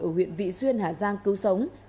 ở huyện vị xuyên hà giang cứu sống